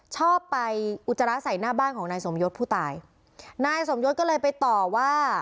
ชอบไปอุจจาระใส่หน้าบ้านของนายสมยศผู้ตายนายสมยศก็เลยไปต่อว่า